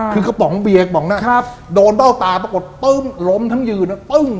กระป๋องเบียกโดนต้าวตาปรากฏลมทั้งยืน